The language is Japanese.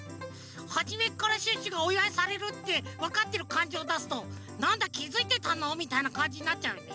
はじめからシュッシュがおいわいされるってわかってるかんじをだすと「なんだきづいてたの」みたいなかんじになっちゃうよね。